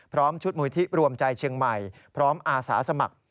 ชุดมูลที่รวมใจเชียงใหม่พร้อมอาสาสมัคร